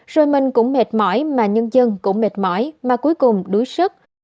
rồi mình cũng mệt mỏi mà nhân dân cũng mệt mỏi mà cuối cùng đuối sức